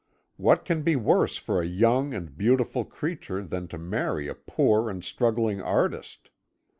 What can be worse for a young and beautiful creature than to marry a poor and struggling artist?